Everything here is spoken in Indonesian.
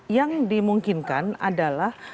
yang dimungkinkan adalah